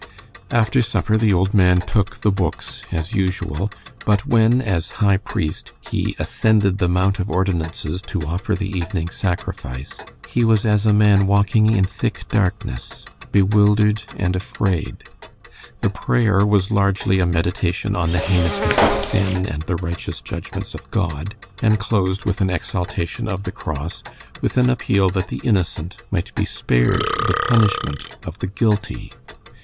After supper the old man "took the Books" as usual, but when, as High Priest, he "ascended the Mount of Ordinances to offer the evening sacrifice," he was as a man walking in thick darkness bewildered and afraid. The prayer was largely a meditation on the heinousness of sin and the righteous judgments of God, and closed with an exaltation of the Cross, with an appeal that the innocent might be spared the punishment of the guilty.